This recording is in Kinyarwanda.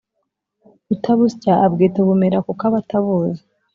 utabusya abwita ubumera kuko aba atabuzi